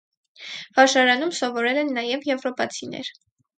Վարժարանում սովորել են նաև եվրոպացիներ։